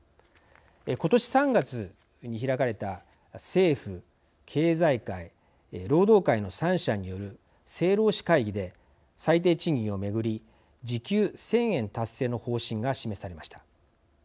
今年３月に開かれた政府、経済界、労働界の３者による政労使会議で最低賃金を巡り時給１０００円達成の方針が示されました。